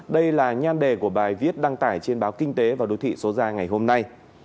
đây là nhan đề của bài viết đăng tải trên báo kinh tế và đối thị số ra ngày hôm nay